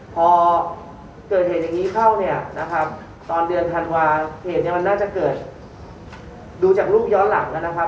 พอเกิดเหตุอย่างนี้เข้าเนี่ยนะครับตอนเดือนธันวาเหตุเนี่ยมันน่าจะเกิดดูจากรูปย้อนหลังแล้วนะครับ